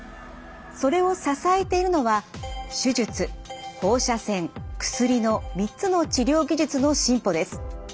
それを支えているのは３つの治療技術の進歩です。